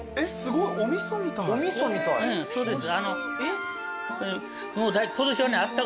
そうです。